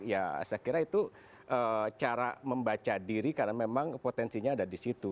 ya saya kira itu cara membaca diri karena memang potensinya ada di situ